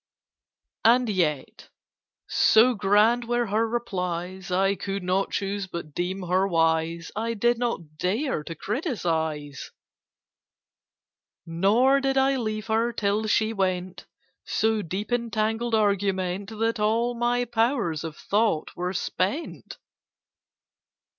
"And yet, so grand were her replies, I could not choose but deem her wise; I did not dare to criticise; "Nor did I leave her, till she went So deep in tangled argument That all my powers of thought were spent."